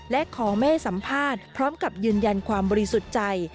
และขอไม่ให้สัมภาษณ์พร้อมกับยืนยันความบริสุทธิ์ใจ